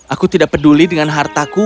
aku tidak peduli dengan hartaku